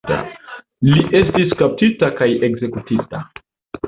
Li estis kaptita kaj ekzekutita.